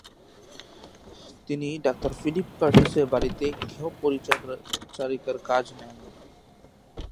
তিনি doctor Philip কার্টিসের বাড়ীতে গৃহপরিচারিকার কাজ নেন।